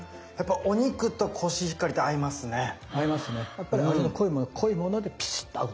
やっぱり味の濃いものと濃いものでピシッと合う。